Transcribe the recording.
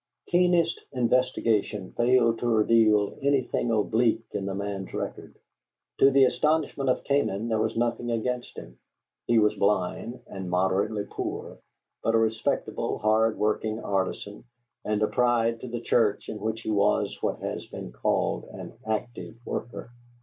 Keenest investigation failed to reveal anything oblique in the man's record; to the astonishment of Canaan, there was nothing against him. He was blind and moderately poor; but a respectable, hard working artisan, and a pride to the church in which he was what has been called an "active worker."